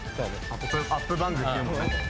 アップバングって言うもんね。